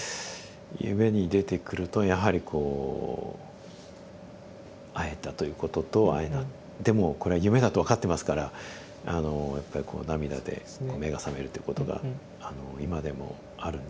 夢に出てくるとやはりこう会えたということと会えなでも「これは夢だ」と分かってますからやっぱりこう涙で目が覚めるってことが今でもあるんですね。